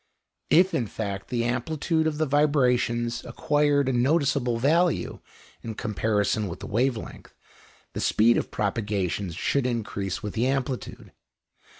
If, in fact, the amplitude of the vibrations acquired a noticeable value in comparison with the wave length, the speed of propagation should increase with the amplitude.